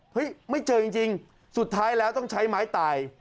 ไม่เจอจริงสุดท้ายแล้วต้องใช้ไม้ตาย